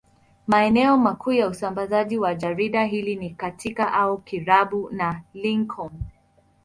Maeneo makuu ya usambazaji wa jarida hili ni katika au karibu na Lincoln.